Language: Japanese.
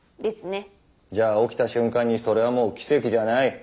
じゃあ起きた瞬間にそれはもう奇跡じゃない。